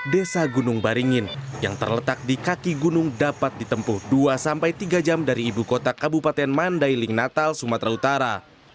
desa gunung baringin yang terletak di kaki gunung dapat ditempuh dua tiga jam dari ibu kota kabupaten mandailing natal sumatera utara